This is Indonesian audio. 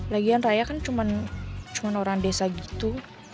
lagian raya kan cuman cuman orang desa gitu